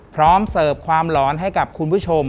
เสิร์ฟความหลอนให้กับคุณผู้ชม